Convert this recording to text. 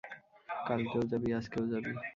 কালকেও যাবি, আজকেও যাবি।